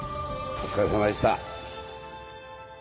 お疲れさまでした。